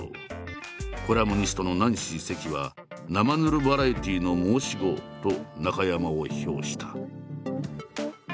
コラムニストのナンシー関は「なまぬるバラエティーの申し子」と中山を評した。